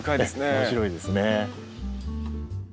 面白いですね。